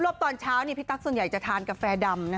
รวบตอนเช้านี้พี่ตั๊กส่วนใหญ่จะทานกาแฟดำนะฮะ